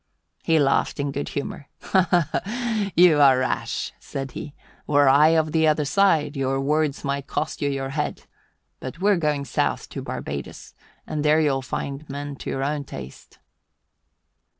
He laughed in good humour. "You are rash," said he. "Were I of the other side, your words might cost you your head. But we're going south to Barbados, and there you'll find men to your own taste."